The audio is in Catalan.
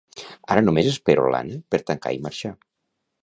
Ara només espero l'Anna per tancar i marxar